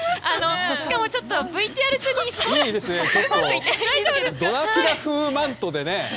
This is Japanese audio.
しかもちょっとＶＴＲ中でドラキュラ風マントで。